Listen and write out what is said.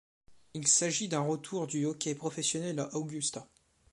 Il s'agit d'un retour du hockey professionnel à Augusta.